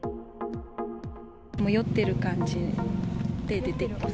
酔ってる感じで出てきた。